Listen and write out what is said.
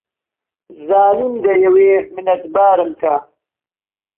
زانیم دەیەوێ منەتبارم کا